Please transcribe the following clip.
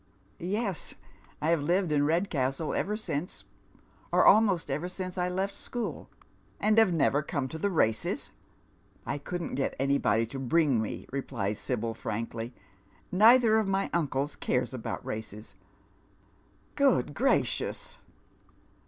" Yes, I have lived in Kedcastle ever since — or almost ever since, I left school." '" And have never come to the races ?"" I couldn't get anybody to bring me," replies Sibyl, frankly. " Neither of my uncles care about races. Good gracious